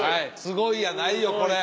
すごいやないよこれ。